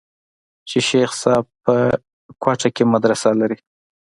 چې شيخ صاحب په کوټه کښې مدرسه لري.